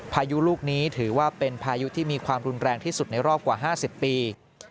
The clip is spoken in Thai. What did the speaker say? พายุลูกนี้ถือว่าเป็นพายุที่มีความรุนแรงที่สุดในรอบกว่า๕๐ปี